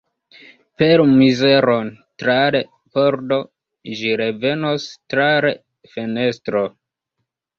Pelu mizeron tra l' pordo, ĝi revenos tra l' fenestro.